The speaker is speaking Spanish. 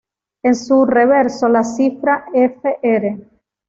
En su reverso, la cifra ""F. R."".